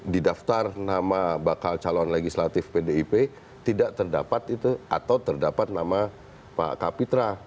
di daftar nama bakal calon legislatif pdip tidak terdapat itu atau terdapat nama pak kapitra